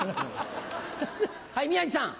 はい宮治さん。